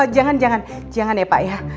jangan jangan ya pak ya